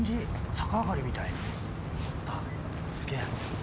逆上がりみたいすげぇ。